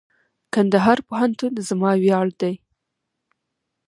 کندهار پوهنتون زما ویاړ دئ.